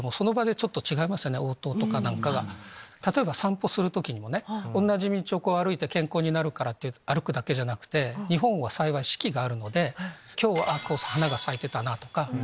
例えば散歩する時にもね同じ道を歩いて健康になるからって歩くだけじゃなくて日本は幸い四季があるので今日は花が咲いてたなぁとか。